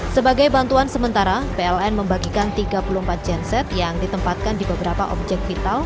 sebagai bantuan sementara pln membagikan tiga puluh empat genset yang ditempatkan di beberapa objek vital